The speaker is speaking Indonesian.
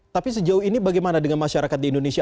tapi sejauh ini bagaimana dengan masyarakat di indonesia